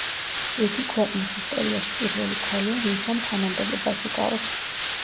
იგი ქვეყნის ისტორიაში პირველი ქალია, ვინც ამ თანამდებობას იკავებს.